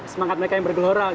semangat mereka yang bergelora